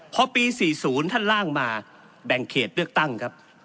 พอปี๔๐ท่านล่างมาแบ่งเขตเลือกตั้งครับ